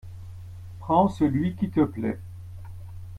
Prends celui qui te plaît.